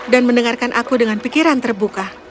dan mendengarkan aku dengan pikiran terbuka